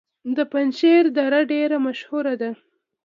د پنجشیر دره ډیره مشهوره ده